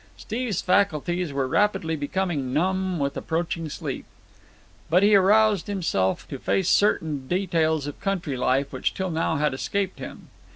Steve's faculties were rapidly becoming numb with approaching sleep, but he roused himself to face certain details of the country life which till now had escaped him.